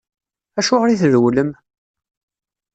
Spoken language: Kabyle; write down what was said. Acuɣeṛ i trewlem?